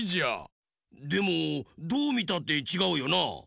でもどうみたってちがうよな。